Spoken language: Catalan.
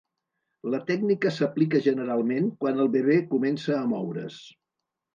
La tècnica s'aplica generalment quan el bebè comença a moure's.